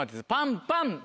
パンパン。